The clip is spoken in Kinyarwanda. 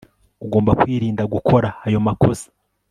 Ugomba kwirinda gukora ayo makosa